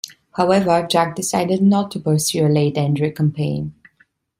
However, Jack decided not to pursue a late entry campaign.